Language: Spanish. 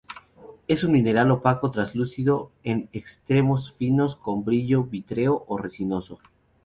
Es un mineral opaco, translúcido en extremos finos, con brillo vítreo o resinoso.